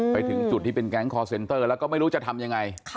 ไปถึงจุดที่เป็นแก๊งคอร์เซ็นเตอร์แล้วก็ไม่รู้จะทำยังไง